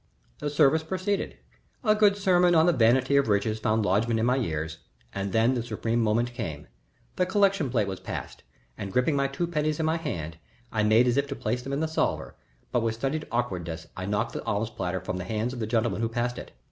The service proceeded. A good sermon on the Vanity of Riches found lodgment in my ears, and then the supreme moment came. The collection plate was passed, and, gripping my two pennies in my hand, I made as if to place them in the salver, but with studied awkwardness I knocked the alms platter from the hands of the gentleman who passed it.